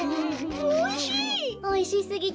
おいしい！